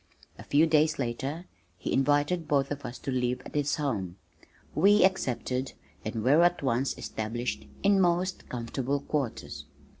A few days later he invited both of us to live at his home. We accepted and were at once established in most comfortable quarters.